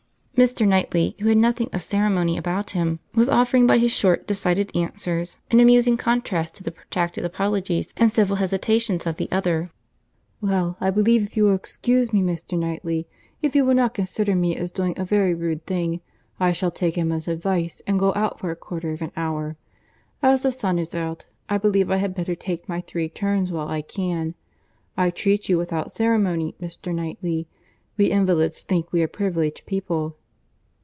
Mr. Knightley, who had nothing of ceremony about him, was offering by his short, decided answers, an amusing contrast to the protracted apologies and civil hesitations of the other. "Well, I believe, if you will excuse me, Mr. Knightley, if you will not consider me as doing a very rude thing, I shall take Emma's advice and go out for a quarter of an hour. As the sun is out, I believe I had better take my three turns while I can. I treat you without ceremony, Mr. Knightley. We invalids think we are privileged people."